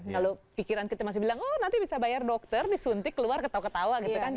kalau pikiran kita masih bilang oh nanti bisa bayar dokter disuntik keluar ketawa ketawa gitu kan